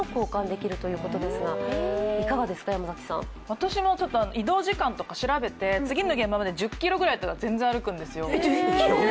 私も移動時間とか調べて次の現場が１０ｋｍぐらいだったら全然歩くんですよ。